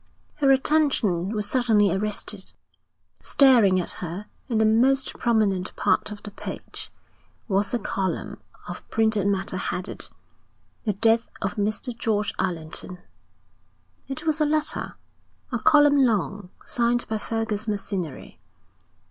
Her attention was suddenly arrested. Staring at her, in the most prominent part of the page, was a column of printed matter headed: The Death of Mr. George Allerton. It was a letter, a column long, signed by Fergus Macinnery.